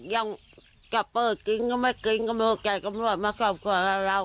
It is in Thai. ยังจะเปิดกินก็ไม่กินกำลังแกะกำลังมาทำกว่าเรา